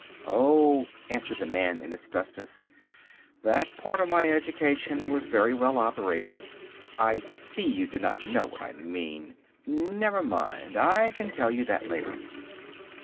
"Oh," answered the Man in Asbestos, "that part of my education was very well operated—I see you do not know what I mean. Never mind, I can tell you that later.